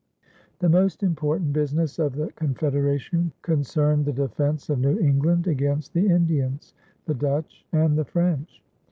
The most important business of the confederation concerned the defense of New England against the Indians, the Dutch, and the French.